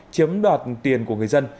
chiếm đoạt tiền của người dân